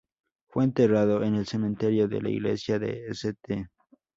Fue enterrado en el cementerio de la Iglesia de St.